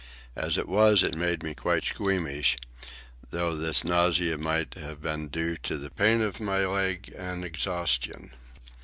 As it was, it made me quite squeamish, though this nausea might have been due to the pain of my leg and exhaustion.